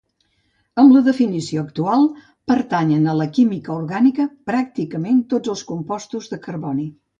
Amb la definició actual pertanyen a la química orgànica pràcticament tots els compostos de carboni.